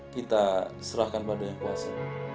kita serahkan pada yang kuasa